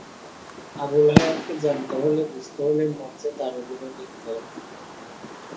আবুল হায়াতকে জানতে হলে, বুঝতে হলে মঞ্চে তাঁর অভিনয় দেখতে হবে।